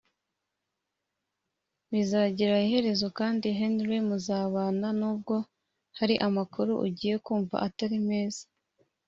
bizagira iherezo kandi henry muzabana nubwo hari amakuru ugiye kumva atari meza